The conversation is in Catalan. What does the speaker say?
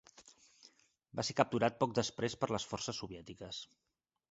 Va ser capturat poc després per les forces soviètiques.